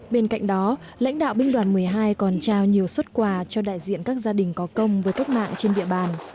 bên cạnh đó lãnh đạo binh đoàn một mươi hai còn trao nhiều xuất quà cho đại diện các gia đình có công với cách mạng trên địa bàn